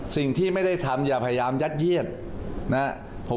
สิ่งที่ไม่ได้ทำอย่าพยายามยัดเยียดนะครับ